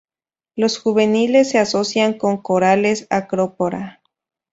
Los juveniles se asocian con corales "Acropora".